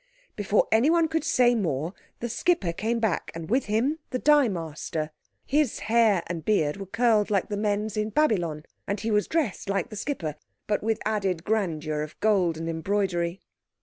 Before anyone could say more the skipper came back, and with him the dye master. His hair and beard were curled like the men's in Babylon, and he was dressed like the skipper, but with added grandeur of gold and embroidery.